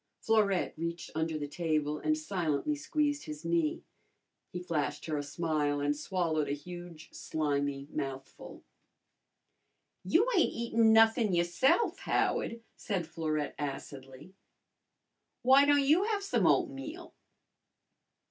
Florette reached under the table and silently squeezed his knee. He flashed her a smile and swallowed a huge slimy mouthful. "You ain't eatin' nothin' yourse'f, Howard," said Florette acidly. "W'y don' you have some oatmeal?"